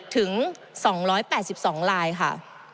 ถึง๒๘๒ลายค่ะ